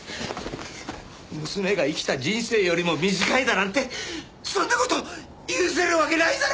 娘が生きた人生よりも短いだなんてそんな事許せるわけないだろう！